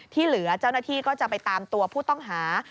ที่เหลือเจ้าหน้าที่ก็จะไปตามตัวผู้ต้องหา